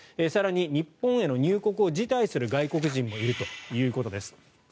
更に日本への入国を辞退する外国人もいるということです。